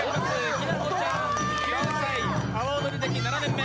ひなこちゃん９歳、阿波踊り歴７年目